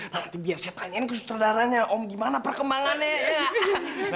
nanti biar saya tanyain ke sutradaranya om gimana perkembangannya